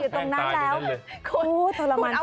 แท่งตายอยู่ตรงนั้นแล้ว